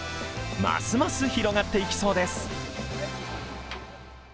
ますます広がっていきそうです。